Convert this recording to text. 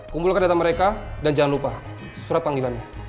kumpulkan data mereka dan jangan lupa surat panggilannya